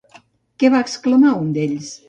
Què va exclamar un d'ells?